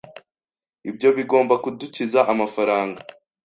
Ibyo bigomba kudukiza amafaranga.